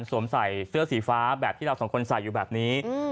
สวมใส่เสื้อสีฟ้าแบบที่เราสองคนใส่อยู่แบบนี้